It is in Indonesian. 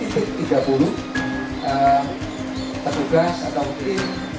terdegas atau di